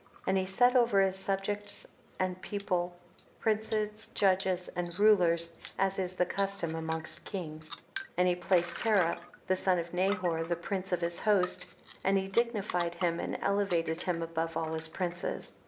And he set over his subjects and people, princes, judges and rulers, as is the custom amongst kings, 41. And he placed Terah the son of Nahor the prince of his host, and he dignified him and elevated him above all his princes.